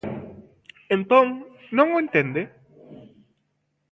Entón,¿non o entende?